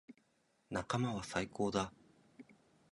仲間は最高だ。